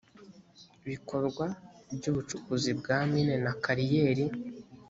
bikorwa by ubucukuzi bwa mine na kariyeri